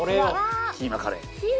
キーマカレー。